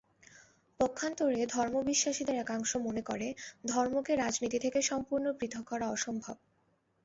পক্ষান্তরে ধর্মবিশ্বাসীদের একাংশ মনে করে, ধর্মকে রাজনীতি থেকে সম্পূর্ণ পৃথক করা অসম্ভব।